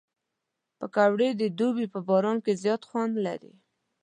پکورې د دوبي په باران کې زیات خوند لري